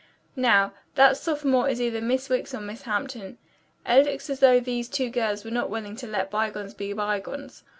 Now, that sophomore is either Miss Wicks or Miss Hampton. It looks as though these two girls were not willing to let bygones be bygones.